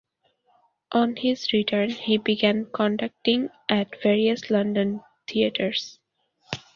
On his return he began conducting at various London theatres.